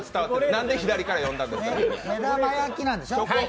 なんで左から読んだんですか？